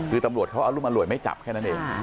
คือตำรวจเขาอรุมอร่วยไม่จับแค่นั้นเอง